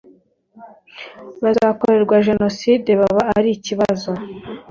bazakorerwa jenosidebaba ari ikibazo